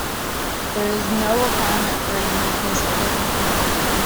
There is no requirement for uniqueness over time.